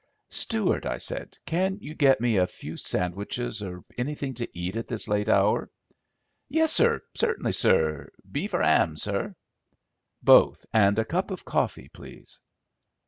"Steward," I said, "can you get me a few sandwiches or anything to eat at this late hour?" "Yessir, certainly, sir; beef or 'am, sir?" "Both, and a cup of coffee, please."